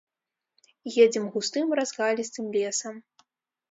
Едзем густым разгалістым лесам.